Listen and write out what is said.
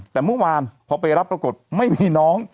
แต่เมื่อวานพอไปรับปรากฏไม่มีน้อง